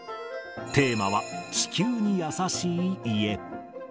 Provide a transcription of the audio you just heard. テーマは、地球に優しい家。